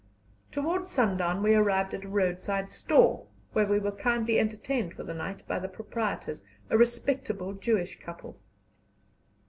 Towards sundown we arrived at a roadside store, where we were kindly entertained for the night by the proprietors, a respectable Jewish couple.